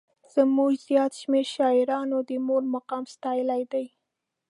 زموږ زیات شمېر شاعرانو د مور مقام ستایلی دی.